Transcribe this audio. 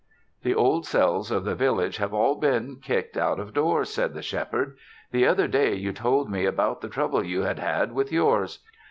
"The Old Selves of the village have all been kicked out of doors," said the Shepherd. "The other day you told me about the trouble you had had with yours.